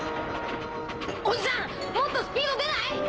おじさんもっとスピード出ない？